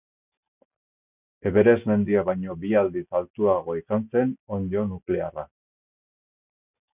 Everest mendia baino bi aldiz altuagoa izan zen onddo nuklearra.